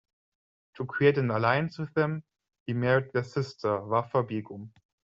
To create an alliance with them, he married "their sister" Wa'fa Begum.